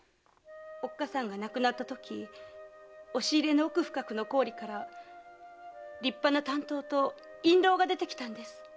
おっかさんが亡くなったとき押し入れの奥深くの行李から立派な短刀と印籠が出てきたんです。